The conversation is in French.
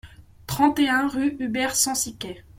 trente et un rue Hubert Sensiquet